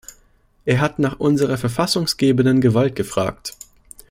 Er hat nach unserer verfassunggebenden Gewalt gefragt.